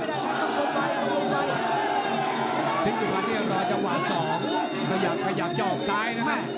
พี่สุพันธุ์นี้ก็รอจังหวะสองขยับขยับเจ้าออกซ้ายนะฮะ